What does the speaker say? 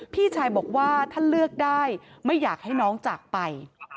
พี่ชายบอกว่าถ้าเลือกได้ไม่อยากให้น้องจากไป